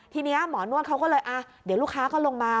ทีนี้หมอนวดเขาก็เลยอ่ะเดี๋ยวลูกค้าก็ลงมา